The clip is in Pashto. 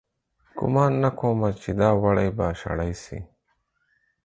گومان نه کوم چې دا وړۍ به شړۍ سي